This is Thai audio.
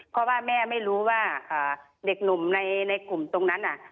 เพราะว่าแม่ไม่รู้ว่าเด็กหนุ่มในกลุ่มตรงนั้น